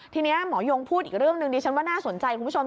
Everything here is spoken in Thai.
ทีนี้หมอยงพูดอีกเรื่องหนึ่งดิฉันว่าน่าสนใจคุณผู้ชม